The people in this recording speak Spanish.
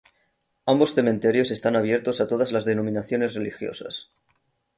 Ambos Cementerios están abiertos a todas las denominaciones religiosas.